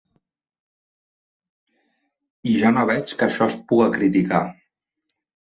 I jo no veig que això es puga criticar.